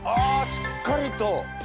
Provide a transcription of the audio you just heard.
しっかりと。